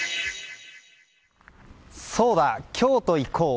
「そうだ京都、行こう。」。